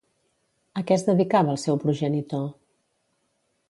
A què es dedicava el seu progenitor?